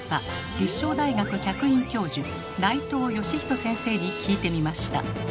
立正大学客員教授内藤誼人先生に聞いてみました。